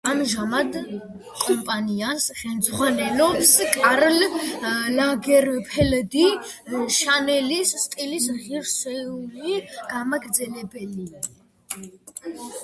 ამჟამად კომპანიას ხელმძღვანელობს კარლ ლაგერფელდი, შანელის სტილის ღირსეული გამგრძელებელი.